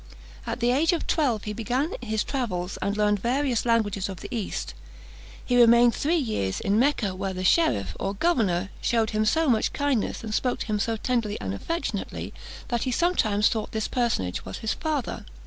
At the age of twelve he began his travels, and learned the various languages of the East. He remained three years in Mecca, where the cherif, or governor, shewed him so much kindness, and spoke to him so tenderly and affectionately, that he sometimes thought that personage was his father.